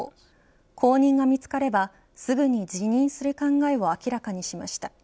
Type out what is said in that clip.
後任が見つかれば、すぐに辞任する考えを明らかにしました。